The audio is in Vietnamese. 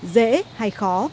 dễ hay khó